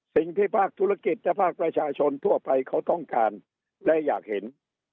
ภาคธุรกิจและภาคประชาชนทั่วไปเขาต้องการและอยากเห็น